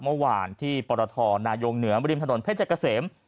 เมื่อวานที่ปรทนายงเหนือบริมถนนเพชรเกษม